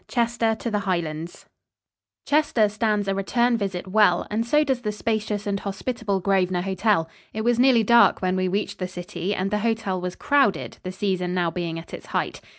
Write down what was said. IX CHESTER TO "THE HIELANDS" Chester stands a return visit well, and so does the spacious and hospitable Grosvenor Hotel. It was nearly dark when we reached the city and the hotel was crowded, the season now being at its height.